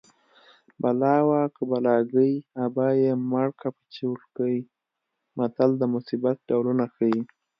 بلا وه که بلاګۍ ابا یې مړکه په چوړکۍ متل د مصیبت ډولونه ښيي